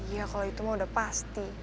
ya kalau itu mah udah pasti